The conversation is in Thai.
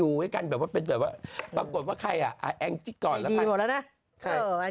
ให้กันแบบว่าเป็นแบบว่าปรากฏว่าใครอ่ะแองจิ๊กก่อนแล้วกัน